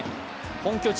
本拠地